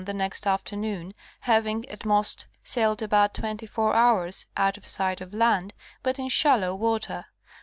the next afternoon, having, at most, sailed about twenty four hours out of sight of land but in shallow water.